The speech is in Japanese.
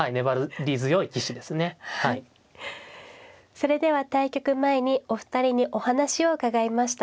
それでは対局前にお二人にお話を伺いました。